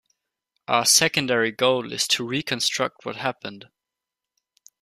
Our secondary goal is to reconstruct what happened.